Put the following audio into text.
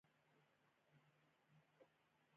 کله چې زموږ لخوا کار پای ته ورسېد.